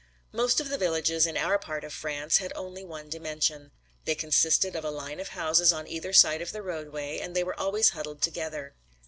Most the villages in our part of France had only one dimension. They consisted of a line of houses on either side of the roadway and they were always huddled together.